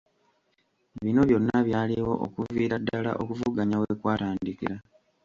Bino byonna byaliwo okuviira ddala okuvuganya we kwatandikira.